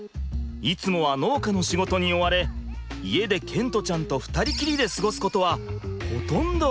いつもは農家の仕事に追われ家で賢澄ちゃんと２人きりで過ごすことはほとんどありません。